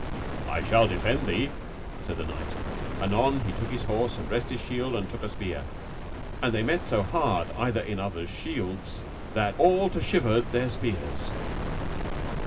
I shall defend thee, said the knight. Anon he took his horse and dressed his shield and took a spear, and they met so hard either in other's shields, that all to shivered their spears.